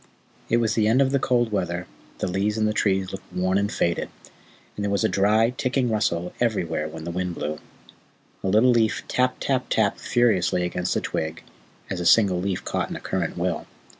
It was the end of the cold weather, the leaves and the trees looked worn and faded, and there was a dry, ticking rustle everywhere when the wind blew. A little leaf tap tap tapped furiously against a twig, as a single leaf caught in a current will.